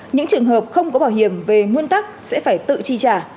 những trường hợp không có bảo hiểm về nguyên tắc sẽ phải tự chi trả